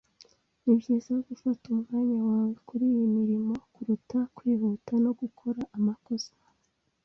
Nibyiza gufata umwanya wawe kuriyi mirimo kuruta kwihuta no gukora amakosa.